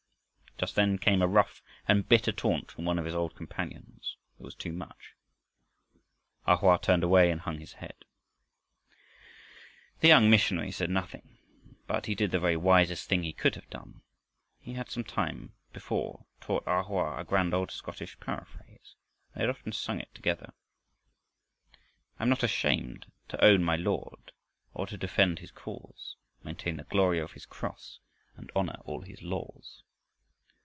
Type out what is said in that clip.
Just then came a rough and bitter taunt from one of his old companions. It was too much. A Hoa turned away and hung his head. The young missionary said nothing. But he did the very wisest thing he could have done. He had some time before taught A Hoa a grand old Scottish paraphrase, and they had often sung it together: I'm not ashamed to own my Lord Or to defend his cause, Maintain the glory of his cross And honor all his laws.